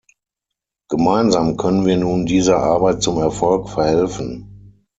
Gemeinsam können wir nun dieser Arbeit zum Erfolg verhelfen.